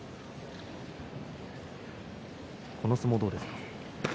この相撲はどうですか？